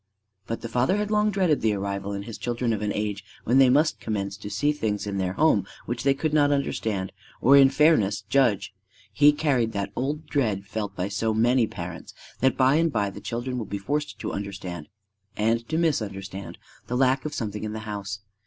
But the father had long dreaded the arrival in his children of an age when they must commence to see things in their home which they could not understand or in fairness judge. He carried that old dread felt by so many parents that by and by the children will be forced to understand and to misunderstand the lack of something in the house.